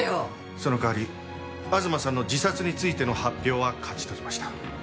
その代わり東さんの自殺についての発表は勝ち取りました。